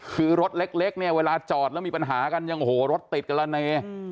คือรถเล็กเนี่ยเวลาจอดแล้วมีปัญหากันยังโอ้โหรถติดกันละเน